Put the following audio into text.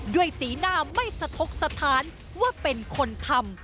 สีหน้าไม่สะทกสถานว่าเป็นคนทำ